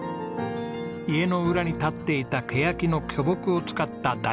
家の裏に立っていたケヤキの巨木を使った大黒柱。